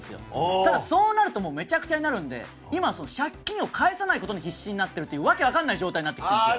ただ、そうなるとめちゃくちゃになるので今、借金を返さないことに必死になってるという訳分からない状態になってきてるんですよ。